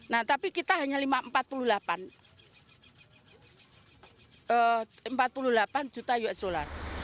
nah tapi kita hanya empat puluh delapan juta usd